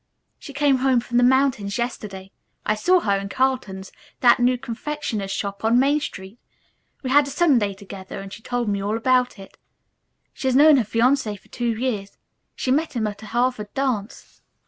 "She came home from the mountains yesterday. I saw her in Carlton's, that new confectioner's shop on Main Street. We had a sundae together and she told me all about it. She has known her fiancé for two years. She met him at a Harvard dance.